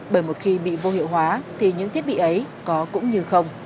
bởi một khi bị vô hiệu hóa thì những thiết bị ấy có cũng như không